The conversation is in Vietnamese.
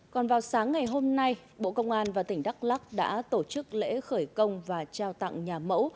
còn vào sáng ngày hôm nay bộ công an và tỉnh đắk lắc đã tổ chức lễ khởi công và trao tặng nhà mẫu